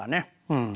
うん。